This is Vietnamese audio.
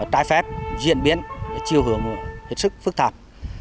trái phép diễn biến chiều hưởng thiệt sức phức thạp